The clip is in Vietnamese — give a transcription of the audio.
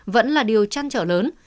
vẫn là điều chăn trở lớn